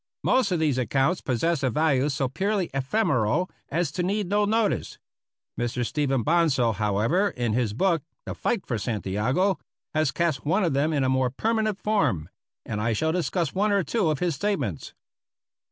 Most of these accounts possess a value so purely ephemeral as to need no notice. Mr. Stephen Bonsal, however, in his book, "The Fight for Santiago," has cast one of them in a more permanent form; and I shall discuss one or two of his statements.